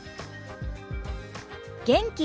元気。